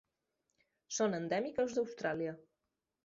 Són endèmiques d'Austràlia.